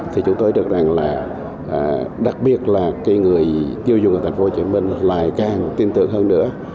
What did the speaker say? thì chúng tôi được rằng là đặc biệt là người tiêu dụng của thành phố hồ chí minh lại càng tin tưởng hơn nữa